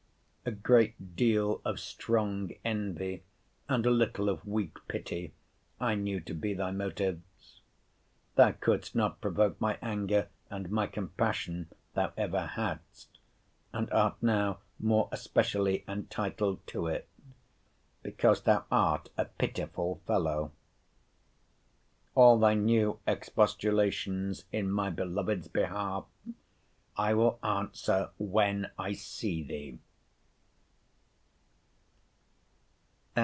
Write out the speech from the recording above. A great deal of strong envy, and a little of weak pity, I knew to be thy motives. Thou couldst not provoke my anger, and my compassion thou ever hadst; and art now more especially entitled to it; because thou art a pityful fellow. All thy new expostulations in my beloved's behalf I will answer when I see thee.